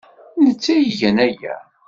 D netta ay igan aya.